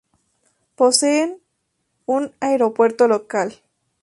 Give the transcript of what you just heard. Posee un aeropuerto local.